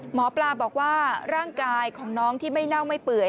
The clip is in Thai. หมอปลาบอกว่าร่างกายของน้องที่ไม่เน่าไม่เปื่อย